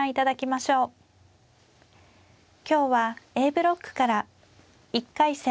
今日はＡブロックから１回戦